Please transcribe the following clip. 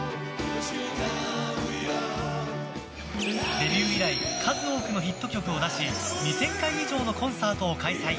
デビュー以来数多くのヒット曲を出し２０００回以上のコンサートを開催。